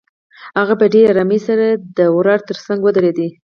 هغه په ډېرې آرامۍ سره د وره تر څنګ ودرېده.